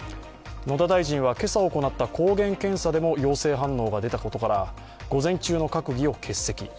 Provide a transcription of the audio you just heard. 野田大臣は、今朝行った抗原検査でも陽性反応が出たことから、午前中の閣議を欠席。